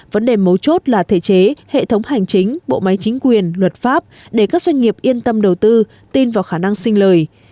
vấn đề mấu chốt là thể chế hệ thống hành chính bộ máy chính quyền luật pháp để các doanh nghiệp yên tâm đầu tư tin vào khả năng sinh lời